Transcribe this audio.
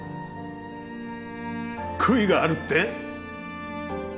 悔いがあるって？